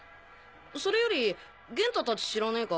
それより元太たち知らねぇか？